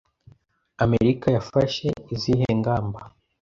Amerika yafashe izihe ngamba